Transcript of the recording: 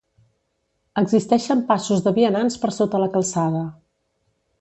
Existeixen passos de vianants per sota la calçada.